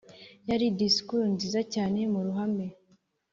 yari disikuru nziza cyane muruhame